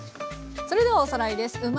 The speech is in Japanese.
それではおさらいです。